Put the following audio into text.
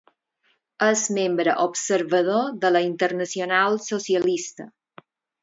És membre observador de la Internacional Socialista.